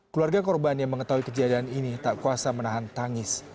keluarga korban yang mengetahui kejadian ini tak kuasa menahan tangis